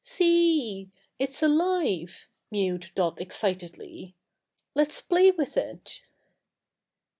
"See e e! It's alive!" mewed Dot excitedly. "Let's play with it."